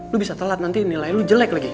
lu bisa telat nanti nilai lu jelek lagi